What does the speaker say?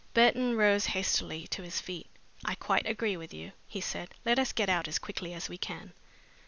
Burton rose hastily to his feet. "I quite agree with you," he said. "Let us get out as quickly as we can."